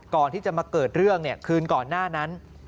ก่อนที่จะมาเกิดเรื่องคืนก่อนหน้านั้น